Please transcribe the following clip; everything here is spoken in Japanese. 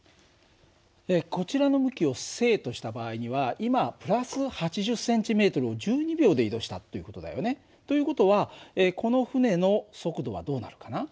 こちらの向きを正とした場合には今＋８０ｃｍを１２秒で移動したっていう事だよね。という事はこの船の速度はどうなるかな？